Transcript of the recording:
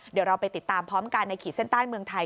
เดี๋ยวเราไปติดตามพร้อมกันในขีดเส้นใต้เมืองไทย